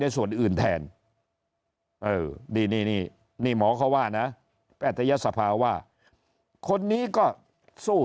ในส่วนอื่นแทนดีมองเขาว่านะแปดยศภาวะว่าคนนี้ก็สู้